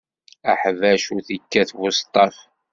Aḥbac ur t-ikkat buseṭṭaf.